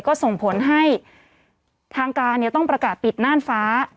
ก็ส่งผลให้ทางการต้องประกาศปิดน่านฟ้า